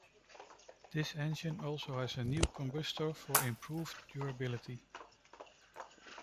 This engine also had a new combustor for improved durability.